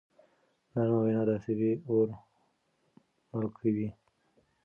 نرمه وینا د غصې اور مړ کوي.